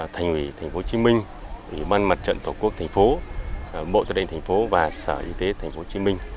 thành ủy tp hcm ủy ban mặt trận tổ quốc tp hcm bộ tư lệnh tp hcm và sở y tế tp hcm